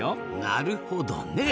なるほどね。